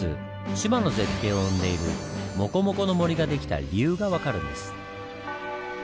志摩の絶景を生んでいるモコモコの森ができた理由が分かるんです。